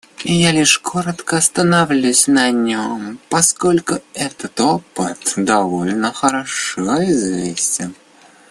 Я лишь коротко остановлюсь на нем, поскольку этот опыт довольно хорошо известен.